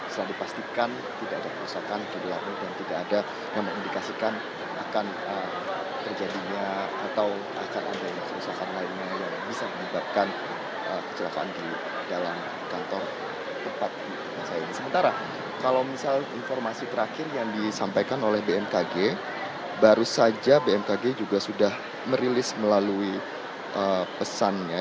setelah dipastikan tidak ada kerusakan di lagu dan tidak ada kemasukan